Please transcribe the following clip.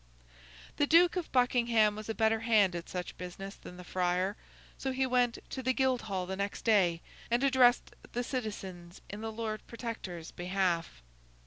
The Duke of Buckingham was a better hand at such business than the friar, so he went to the Guildhall the next day, and addressed the citizens in the Lord Protector's behalf.